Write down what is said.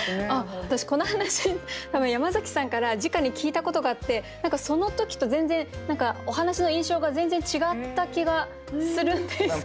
私この話多分山崎さんからじかに聞いたことがあって何かその時と全然お話の印象が全然違った気がするんですけど。